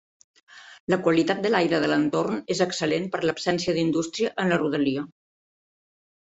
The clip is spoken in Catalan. La qualitat de l'aire de l'entorn és excel·lent per l'absència d'indústria en la rodalia.